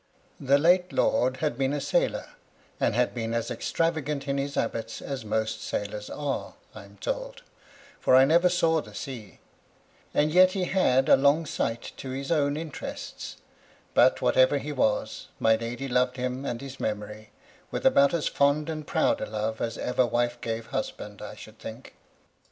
The late lord had been a sailor, and had been as extravagant in his habits as most sailors are, I am told, — ^for I never saw the sea; and yet he had a long sight to his own interests ; but whatever he was, my lady loved him and his memory, with about as fond and proud a love as ever wife gave husband, I should think.